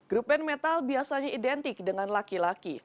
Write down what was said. grup band metal biasanya identik dengan laki laki